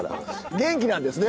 元気なんですね。